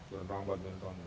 dan rambut benton